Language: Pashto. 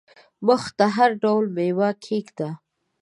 مخ ته هر ډول مېوه کښېږده !